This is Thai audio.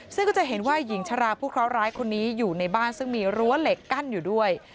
ซึ่งก็จะเห็นว่าหญิงชราผู้เคราะหร้ายคนนี้อยู่ในบ้านซึ่งมีรั้วเหล็กกั้นอยู่ด้วย